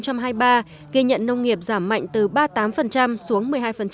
ghi nhận nông nghiệp giảm mạnh từ ba mươi tám xuống một mươi hai